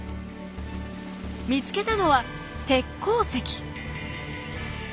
見つけたのは鉄鉱石。